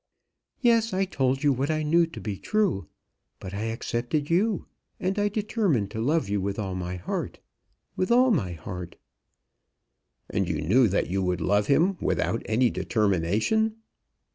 "Yes; I told you what I knew to be true. But I accepted you; and I determined to love you with all my heart, with all my heart." "And you knew that you would love him without any determination."